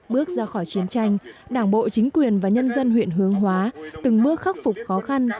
bước ra khỏi chiến tranh đảng bộ chính quyền và nhân dân huyện hướng hóa từng bước khắc phục khó khăn